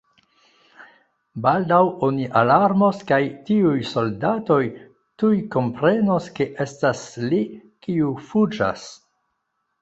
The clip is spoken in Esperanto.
Baldaŭ oni alarmos kaj tiuj soldatoj tuj komprenos, ke estas li, kiu fuĝas.